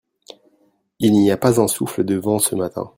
Il n'y a pas un souffle de vent ce matin.